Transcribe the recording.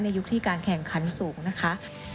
ยุคที่การแข่งขันสูงนะคะ